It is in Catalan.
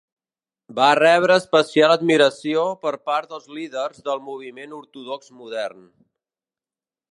Va rebre especial admiració per part del líders del moviment ortodox modern.